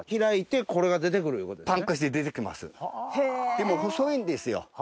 でも細いんですよ。